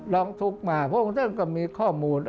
ร้องทุกข์มาพระองค์ท่านก็มีข้อมูล